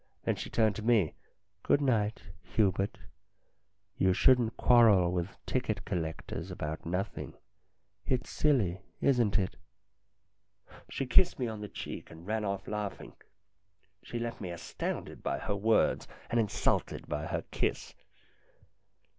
Then she turned to me :" Good night, Hubert. You shouldn't quarrel with ticket collectors about nothing. It's silly, isn't it?" She kissed me on the cheek, and ran off laughing. She left me astounded by her words and insulted by her kiss.